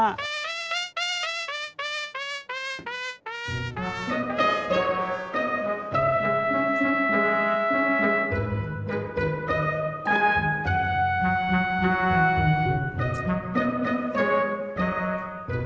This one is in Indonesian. nih si tati